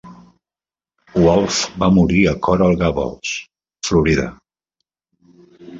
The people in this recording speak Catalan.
Wolfe va morir a Coral Gables, Florida.